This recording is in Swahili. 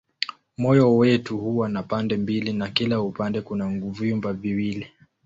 Moyo wetu huwa na pande mbili na kila upande kuna vyumba viwili.